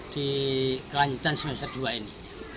di kelanjutan semester dua ini